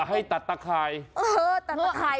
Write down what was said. ให้ตัดตาข่าย